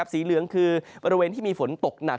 สีเหลืองคือบริเวณที่มีฝนตกหนัก